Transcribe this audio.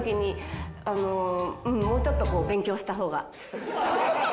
もうちょっとこう勉強した方が。